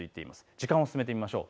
時間を進めましょう。